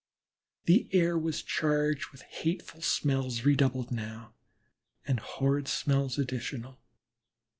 The air was charged with the hateful smells redoubled now, and horrid smells additional.